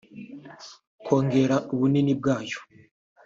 kongera ubunini bwayo